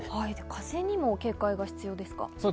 風にも警戒が必要ですか？